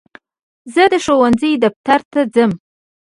زه د ښوونځي دفتر ته ځم.